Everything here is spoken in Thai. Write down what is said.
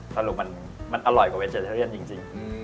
สรุปมันอร่อยกว่าเวเจอเทอเรียนจริง